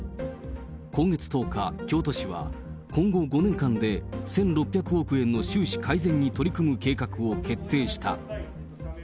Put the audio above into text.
今月１０日、京都市は今後５年間で１６００億円の収支改善に取り組む計画を決定した。